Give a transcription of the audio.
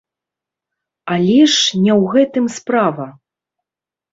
Але ж не ў гэтым справа.